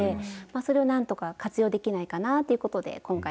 それをなんとか活用できないかなということで今回考えました。